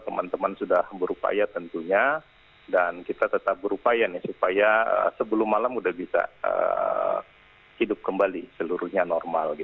teman teman sudah berupaya tentunya dan kita tetap berupaya supaya sebelum malam sudah bisa hidup kembali seluruhnya normal